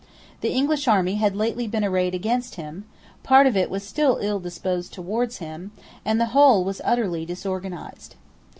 The English army had lately been arrayed against him: part of it was still ill disposed towards him; and the whole was utterly disorganized.